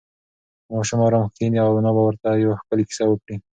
که ماشوم ارام کښېني، انا به ورته یوه ښکلې کیسه وکړي.